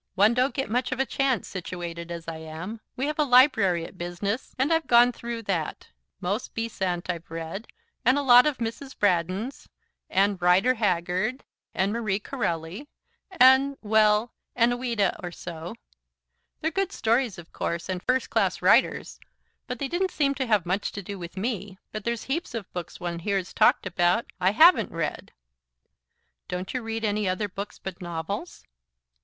One don't get much of a chance, situated as I am. We have a library at business, and I've gone through that. Most Besant I've read, and a lot of Mrs. Braddon's and Rider Haggard and Marie Corelli and, well a Ouida or so. They're good stories, of course, and first class writers, but they didn't seem to have much to do with me. But there's heaps of books one hears talked about, I HAVEN'T read." "Don't you read any other books but novels?"